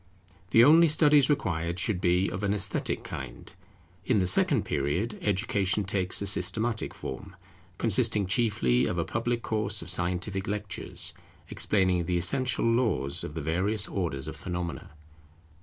The only studies required should be of an esthetic kind. In the second period, Education takes a systematic form, consisting chiefly of a public course of scientific lectures, explaining the essential laws of the various orders of phenomena.